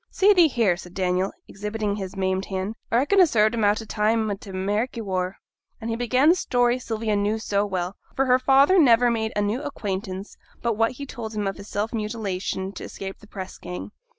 'See thee here!' said Daniel, exhibiting his maimed hand; 'a reckon a served 'em out time o' t' Ameriky war.' And he began the story Sylvia knew so well; for her father never made a new acquaintance but what he told him of his self mutilation to escape the press gang.